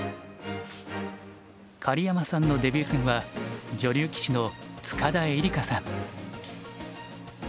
狩山さんのデビュー戦は女流棋士の塚田恵梨花さん。